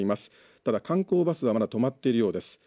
ただ観光バスはまだ止まっているようです。